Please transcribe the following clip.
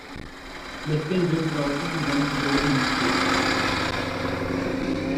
Lipkin Bridge is also sometimes included in this group.